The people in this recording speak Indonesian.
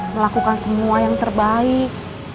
melakukan semua yang terbaik